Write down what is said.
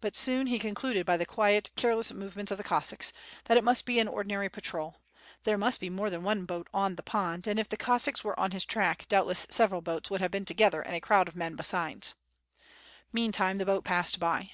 But soon he concluded by the quiet, careless movements of the Cossacks, that it must be an ordinary patrol, there must be more than one boat on the pond, and if the Cossacks ygO WITH FIRE AND SWORD. were on his track doubtless several boats would have been together and a crowd of men besides. Meantime the boat passed by.